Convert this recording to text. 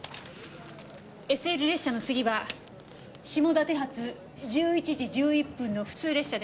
ＳＬ列車の次は下館発１１時１１分の普通列車です。